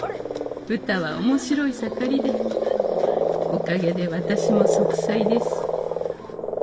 「うたは面白い盛りでおかげで私も息災です」。